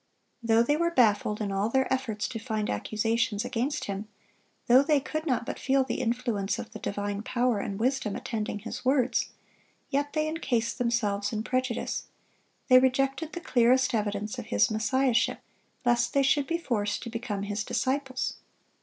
Though they were baffled in all their efforts to find accusations against Him, though they could not but feel the influence of the divine power and wisdom attending His words, yet they encased themselves in prejudice; they rejected the clearest evidence of His Messiahship, lest they should be forced to become His disciples.